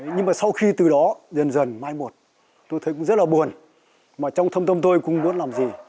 nhưng mà sau khi từ đó dần dần mai một tôi thấy cũng rất là buồn mà trong thâm tâm tôi cũng muốn làm gì